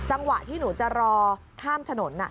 จังหวะที่หนูจะรอข้ามถนน